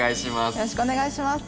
よろしくお願いします。